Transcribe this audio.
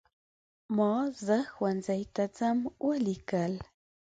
ما "زه ښوونځي ته ځم" ولیکل.